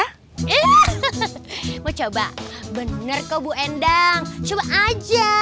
ihhehehe mau coba bener kok bu endang coba aja